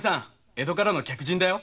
江戸からの客人だよ。